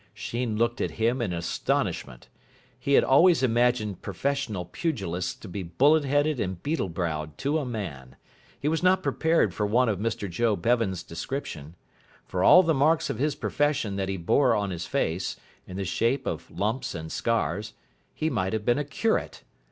Sheen looked at him in astonishment. He had always imagined professional pugilists to be bullet headed and beetle browed to a man. He was not prepared for one of Mr Joe Bevan's description. For all the marks of his profession that he bore on his face, in the shape of lumps and scars, he might have been a curate.